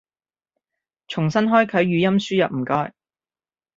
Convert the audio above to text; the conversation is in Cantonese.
重新開啟語音輸入唔該